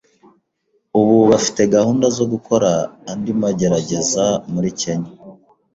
ubu bafite gahunda zo gukora andi magerageza muri Kenya